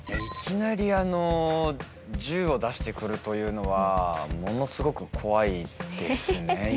いきなり銃を出して来るというのはものすごく怖いですね。